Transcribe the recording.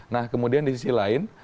nah kemudian di sisi lain